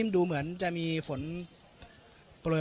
ไม่เป็นไรไม่เป็นไร